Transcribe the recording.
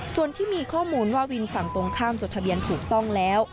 ส่วนที่มีข้อมูลว่าวินฝั่งตรงข้ามจดทะเบียนถูกต้องแล้ว